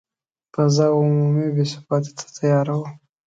فضا عمومي بې ثباتي ته تیاره وه.